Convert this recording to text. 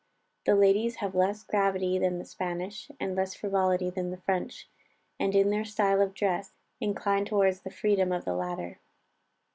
The ladies have less gravity than the Spanish, and less frivolity than the French, and in their style of dress incline towards the freedom of the latter.